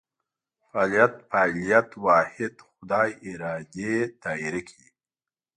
فعالیت فاعلیت واحد خدای ارادې دایره کې دي.